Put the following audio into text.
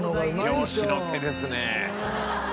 漁師の手ですね男の。